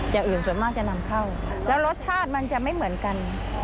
อย่างอื่นส่วนมากจะนำเข้าแล้วรสชาติมันจะไม่เหมือนกัน